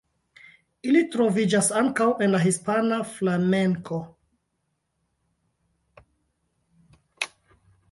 Ili troviĝas ankaŭ en la hispana flamenko.